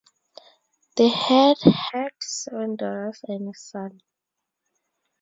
They had had seven daughters and a son.